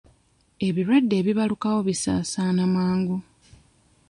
Ebirwadde ebibalukawo bisaasaana mangu.